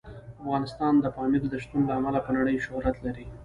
افغانستان د پامیر د شتون له امله په نړۍ شهرت لري.